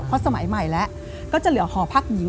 เพราะสมัยใหม่แล้วก็จะเหลือหอพักหญิง